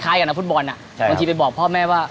กับนักฟุตบอลบางทีไปบอกพ่อแม่ว่า